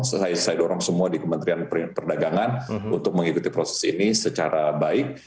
saya dorong semua di kementerian perdagangan untuk mengikuti proses ini secara baik